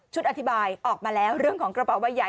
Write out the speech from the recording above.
อธิบายออกมาแล้วเรื่องของกระเป๋าใบใหญ่